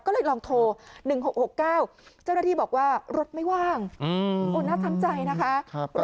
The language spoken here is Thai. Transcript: ก็เลยลองโทร๑๖๖๙เจ้าหน้าที่บอกว่ารถไม่ว่างน่าทำใจนะคะ